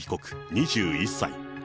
２１歳。